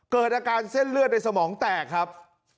เกิดอาการเส้นเลือดในสมองแตกครับ